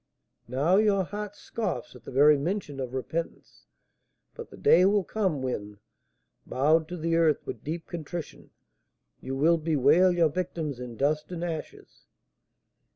Now your heart scoffs at the very mention of repentance, but the day will come when, bowed to the earth with deep contrition, you will bewail your victims in dust and ashes.